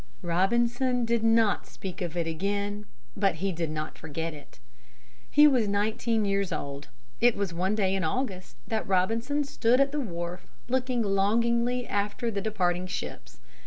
Robinson did not speak of it again, but he did not forget it. He was nineteen years old. It was one day in August that Robinson stood at the wharf looking longingly after the departing ships.